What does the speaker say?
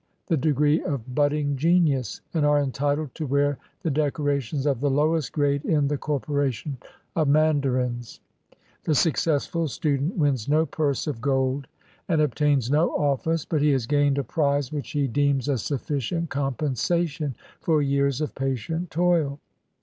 the degree of "Budding Genius," and are entitled to wear the decorations of the lowest grade in the corporation of mandarins. The successful student wins no purse of gold and ob 224 CIVIL SERVICE EXAMINATIONS IN CHINA tains no office, but he has gained a prize which he deems a sufficient compensation for years of patient toil.